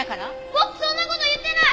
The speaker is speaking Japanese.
僕そんな事言ってない！